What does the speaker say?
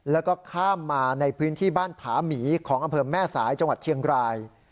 แล้วก็ข้ามมาในพื้นที่บ้านผาหมีของอำเภอแม่สายจังหวัดเชียงราย